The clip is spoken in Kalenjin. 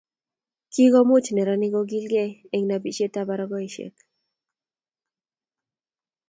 Kikomuch neranik kogilkei eng nobisietab barakoaisiek